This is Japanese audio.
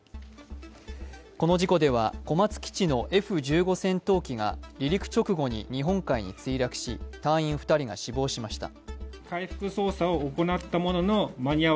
この事故では小松基地のＦ１５戦闘機が離陸直後に日本海に墜落し隊員２人が死亡しました。